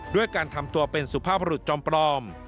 ด้วยการทำตัวเป็นสุภาพบรุษจอมปลอม